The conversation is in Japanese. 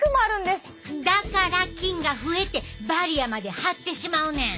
だから菌が増えてバリアまで張ってしまうねん。